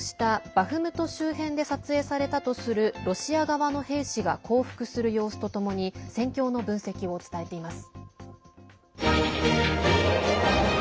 バフムト周辺で撮影されたとするロシア側の兵士が降伏する様子とともに戦況の分析を伝えています。